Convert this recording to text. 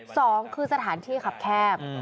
สองคือสถานที่ขับแคบ